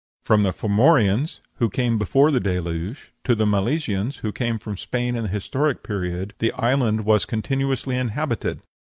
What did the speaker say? From the Formorians, who came before the Deluge, to the Milesians, who came from Spain in the Historic Period, the island was continuously inhabited.